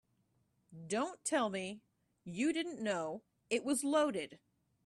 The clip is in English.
Don't tell me you didn't know it was loaded.